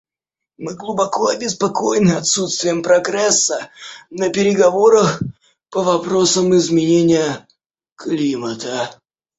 Мы глубоко обеспокоены отсутствием прогресса на переговорах по вопросам изменения климата.